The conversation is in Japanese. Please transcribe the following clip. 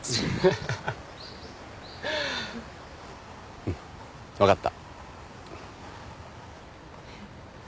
うん分かった。